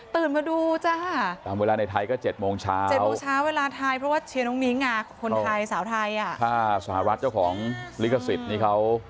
เพราะกว่าจะจบข่าวเหมือนดึกใช่ไหม